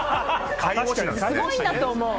すごいんだと思う。